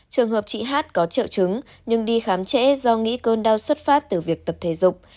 trường hợp chị hát có triệu chứng nhưng đi khám trễ do nghĩ cơn đau xuất phát từ việc tập thể dục